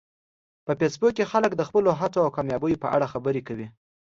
په فېسبوک کې خلک د خپلو هڅو او کامیابیو په اړه خبرې کوي